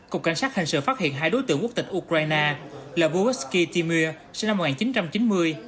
cục cảnh sát hình sự phát hiện hai đối tượng quốc tịch ukraine là vujovsky timur sinh năm một nghìn chín trăm chín mươi